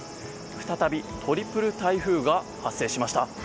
再びトリプル台風が発生しました。